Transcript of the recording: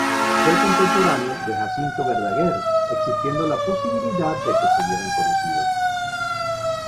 Fue contemporáneo de Jacinto Verdaguer, existiendo la posibilidad de que se hubieran conocido.